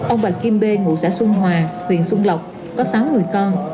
ông bà kim bê ngụ xã xuân hòa huyện xuân lộc có sáu người con